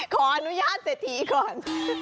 ขออนุญาตเสถียก่อน